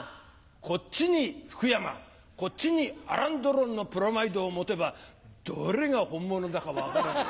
こっちに福山こっちにアラン・ドロンのブロマイドを持てばどれが本物だか分からねえ。